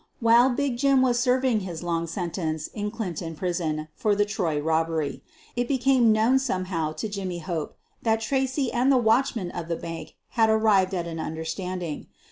While "Big Jim" was serving hig long sentence in Clinton Prison for the Troy rob bery, it became known somehow to Jimmy Hope that Tracy and the watchman of the bank had ar rived at an understanding.